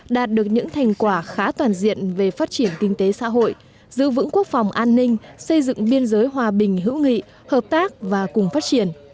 đạt được những thành quả khá toàn diện về phát triển kinh tế xã hội giữ vững quốc phòng an ninh xây dựng biên giới hòa bình hữu nghị hợp tác và cùng phát triển